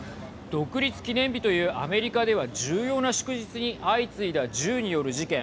独立記念日というアメリカでは重要な祝日に相次いだ銃による事件。